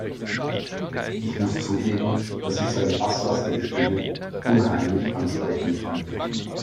Ich muss zugeben, dass ich seine basslastige Stimme unheimlich ansprechend finde.